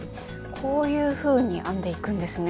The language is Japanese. こういうふうに編んでいくんですね。